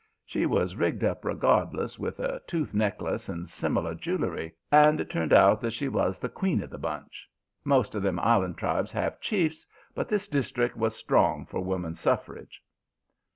She was rigged up regardless, with a tooth necklace and similar jewelry; and it turned out that she was the queen of the bunch. Most of them island tribes have chiefs, but this district was strong for woman suffrage.